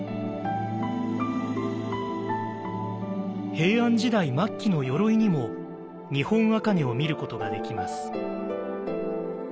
平安時代末期の鎧にも日本茜を見ることができます。